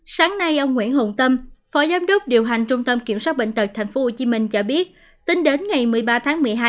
sáng nay ông nguyễn hùng tâm phó giám đốc điều hành trung tâm kiểm soát bệnh tật thành phố hồ chí minh cho biết tính đến ngày một mươi ba tháng một mươi hai